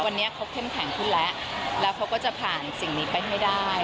วันนี้เขาเข้มแข็งขึ้นแล้วแล้วเขาก็จะผ่านสิ่งนี้ไปให้ได้